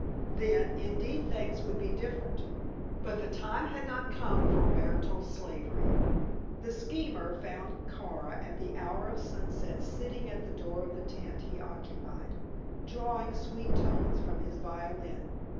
Then, indeed, things would be different, but the time had not come for marital slavery. The schemer found Kara at the hour of sunset sitting at the door of the tent he occupied, drawing sweet tones from his violin.